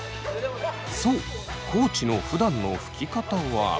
そう地のふだんのふき方は。